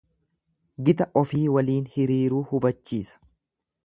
Gita ofii waliin hiriiruu hubachiisa.